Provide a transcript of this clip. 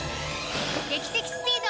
劇的スピード！